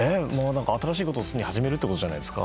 新しいことを常に始めるってことじゃないですか。